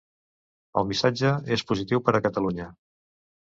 El missatge és positiu per a Catalunya.